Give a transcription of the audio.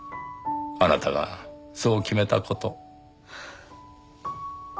あなたがそう決めた事。